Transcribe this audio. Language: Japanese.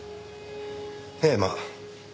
ええまあ。